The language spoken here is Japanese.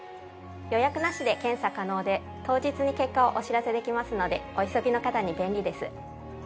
予約なしで検査可能で当日に結果をお知らせできますのでお急ぎの方に便利です。